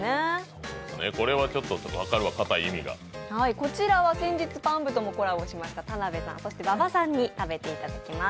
こちらは先日、パン部ともコラボしました田辺さんそして馬場さんに食べていただきます。